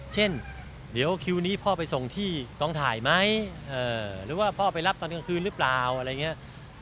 เช่นเดี๋ยวคิวนี้พ่อไปส่งที่กองถ่ายไหมหรือว่าพ่อไปรับตอนกลางคืนหรือเปล่าอะไรอย่างนี้